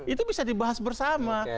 itu bisa dibahas bersama